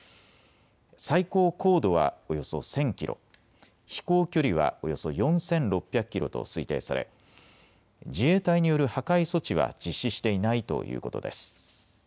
最高高度はおよそ１０００キロ、飛行距離はおよそ４６００キロと推定され自衛隊による破壊措置は実施していないということです。